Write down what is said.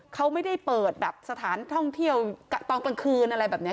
เขาไม่ได้เปิดแบบสถานท่องเที่ยวตอนกลางคืนอะไรแบบนี้